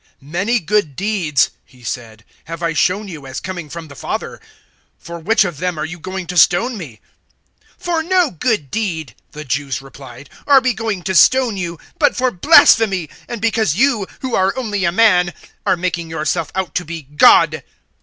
"Many good deeds," He said, "have I shown you as coming from the Father; for which of them are you going to stone me?" 010:033 "For no good deed," the Jews replied, "are we going to stone you, but for blasphemy, and because you, who are only a man, are making yourself out to be God."